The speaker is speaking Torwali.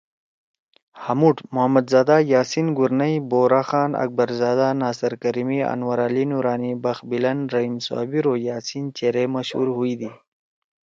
ہامُوڑ محمد زادہ، یاسین گورنئی، بورا خان، اکبرزادہ، ناصر کریمی، انورعلی نورانی، بخت بلند، رحیم صابر او یاسین چیرے مشہور ہُوئیدی۔